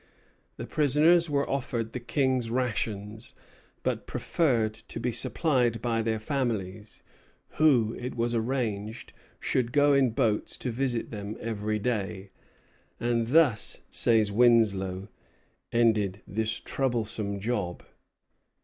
The prisoners were offered the King's rations, but preferred to be supplied by their families, who, it was arranged, should go in boats to visit them every day; "and thus," says Winslow, "ended this troublesome job."